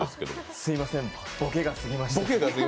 すみません、ボケがすぎました。